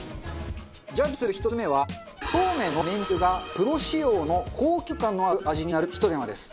ジャッジする１つ目はそうめんのめんつゆがプロ仕様の高級感のある味になるひと手間です。